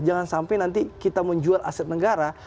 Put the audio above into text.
jangan sampai nanti kita menjual aset negara